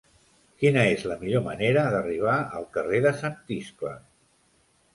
Quina és la millor manera d'arribar al carrer de Sant Iscle?